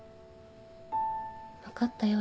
分かったよ